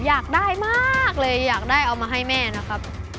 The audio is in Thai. อยากได้มากเลยอยากได้เอามาให้แม่นะครับ